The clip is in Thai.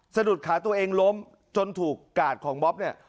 สะดุดขาตัวเองล้มจนถูกกาดของม็อบเนี่ย